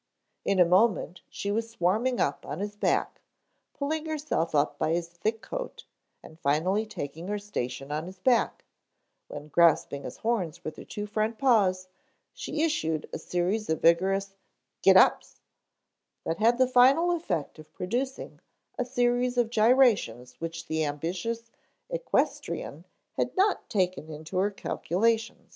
In a moment she was swarming up on his back, pulling herself up by his thick coat and finally taking her station on his back, when grasping his horns with her two front paws she issued a series of vigorous "get ups" that had the final effect of producing a series of gyrations which the ambitious equestrienne had not taken into her calculations.